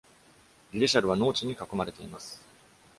リレシャルは農地に囲まれています。